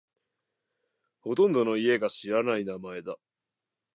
ほとんどの家が知らない名前だ。